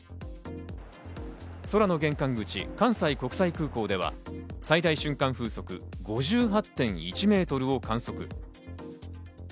空の玄関口・関西国際空港では最大瞬間風速５８．１メートルを観測。